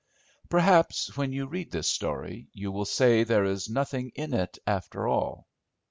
Perhaps, when you read this story, you will say there is nothing in it after all.